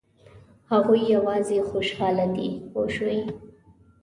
هغوی یوازې خوشاله دي پوه شوې!.